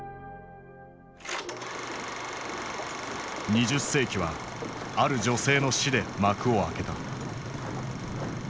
２０世紀はある女性の死で幕を開けた。